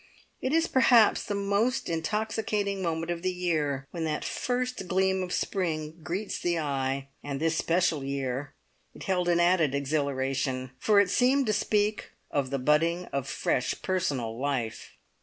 It is perhaps the most intoxicating moment of the year, when that first gleam of spring greets the eye, and this special year it held an added exhilaration, for it seemed to speak of the budding of fresh personal life.